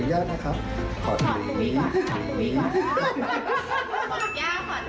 ชอบค่ะน้องคิมค่ะ